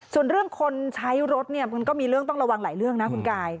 ส่วนเรื่องคนใช้รถเนี่ยมันก็มีเรื่องต้องระวังหลายเรื่องนะคุณกาย